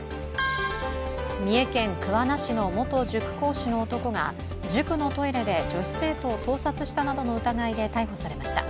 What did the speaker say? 三重県桑名市の元塾講師の男が塾のトイレで女子生徒を盗撮したなどの疑いで逮捕されました。